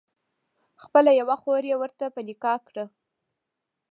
خپله یوه خور یې ورته په نکاح کړه.